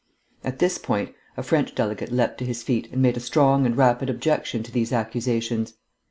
At this point a French delegate leaped to his feet and made strong and rapid objection to these accusations.